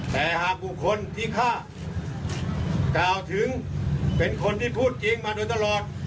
แต่หากบุคคลที่ฆ่ากล่าวถึงเป็นคนที่พูดจริงมาโดยตลอด